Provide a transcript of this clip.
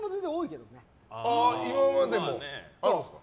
今までもあるんですか？